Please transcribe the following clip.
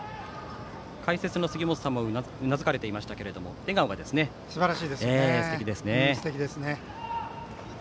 解説の杉本さんもうなずかれていましたが笑顔がすてきですね。